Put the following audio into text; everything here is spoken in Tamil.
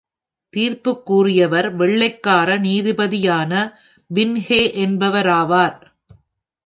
தீர்ப்புக் கூறியவர் வெள்ளைக்கார நீதிபதியான பின்ஹே என்பவராவார்.